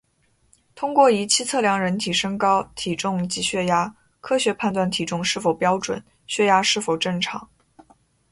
通过仪器测量人体身高、体重及血压，科学判断体重是否标准、血压是否正常